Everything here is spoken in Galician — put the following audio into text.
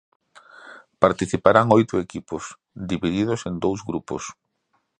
Participarán oito equipos divididos en dous grupos.